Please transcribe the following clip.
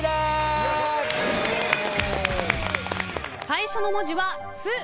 最初の文字は「つ」